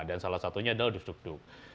dan salah satunya adalah dus dugduk